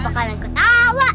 kenapa kalian ketawa